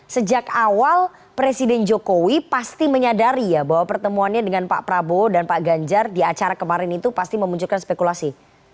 sejak awal presiden jokowi pasti menyadari ya bahwa pertemuannya dengan pak prabowo dan pak ganjar di acara kemarin itu pasti memunculkan spekulasi